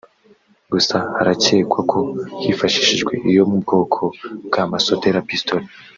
gusa harakekwa ko hifashishijwe iyo mu bwoko bwa masotera (Pistol)